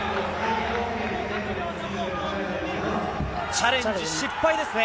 チャレンジ失敗ですね。